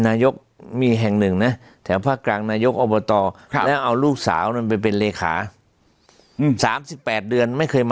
นายกมีแห่งหนึ่งนะแถวภาคกลางนายกอบวตเอาลูกสาวนี่